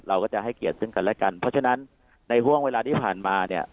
เราก็จะให้เกียรติซึ่งกันและกันเพราะฉะนั้นในห่วงเวลาที่ผ่านมาเนี่ย